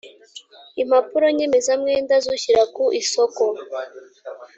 Impapuro nyemezamwenda z ‘Ushyira ku isoko